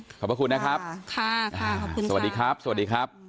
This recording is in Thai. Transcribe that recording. ขอบคุณค่ะพี่ขอบคุณนะครับค่ะค่ะขอบคุณค่ะสวัสดีครับสวัสดีครับ